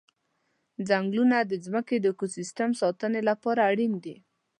ځنګلونه د ځمکې د اکوسیستم ساتنې لپاره اړین دي.